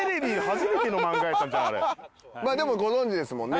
まあでもご存じですもんね？